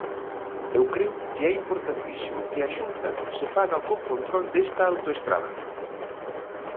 Eu creo que é importantísimo que a Xunta se faga co control desta autoestrada.